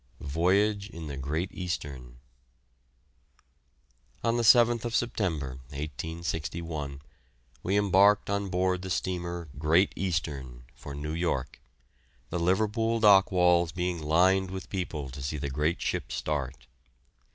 VOYAGE IN THE "GREAT EASTERN." On the 7th September, 1861, we embarked on board the steamer "Great Eastern," for New York, the Liverpool dock walls being lined with people to see the great ship start.